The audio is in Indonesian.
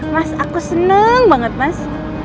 mas aku seneng banget mas